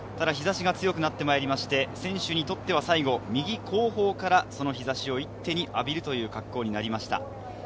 日差しが強くなってきて、選手にとっては最後、右後方から日差しを一手に浴びるという格好になりました。